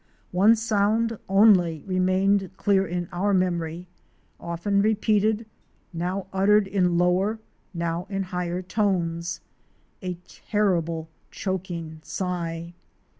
One sound only remained clear in our memory, often repeated, now uttered in lower, now in higher tones — a terrible choking sigh.